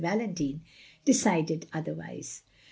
Valentine, decided otherwise.